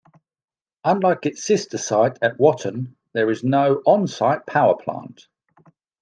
Unlike its sister site at Watten, there was no on-site power plant.